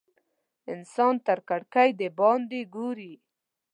انسان تر کړکۍ د باندې ګوري.